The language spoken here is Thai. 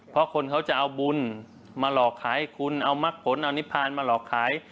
เพราะคนเขาจะเอาบุญมาหลอกขายคุณเอามักผลเอานิพานมาหลอกขาย